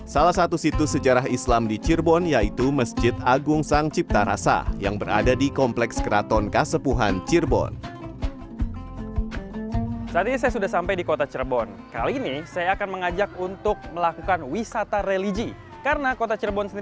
salah satu situs sejarah islam di cirebon yaitu masjid agung sang cipta rasa yang berada di kompleks keraton kasepuhan cirebon